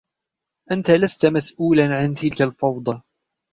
أنتَ لستُ مسؤؤلاً عن تلك الفوضى.